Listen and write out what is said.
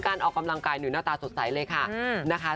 การออกกำลังกายหนุ่มหน้าตาสดใสเลยค่ะ